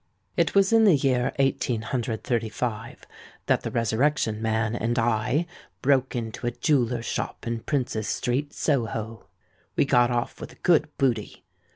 It was in the year 1835 that the Resurrection Man and I broke into a jeweller's shop in Princes Street, Soho. We got off with a good booty.